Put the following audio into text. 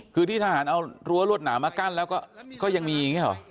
คือที่ทหารเอารั้วรวดหนามากั้นแล้วก็ยังมีอย่างนี้หรอ